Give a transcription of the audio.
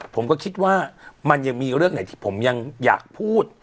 ผมก็คิดว่ามันยังมีเรื่องไหนที่ผมยังอยากพูด